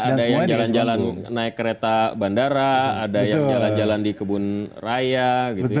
ada yang jalan jalan naik kereta bandara ada yang jalan jalan di kebun raya gitu ya